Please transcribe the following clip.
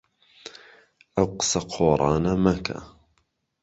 ئەو قسە قۆڕانە مەکە.